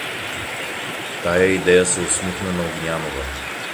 Тая идея се усмихна на Огнянова.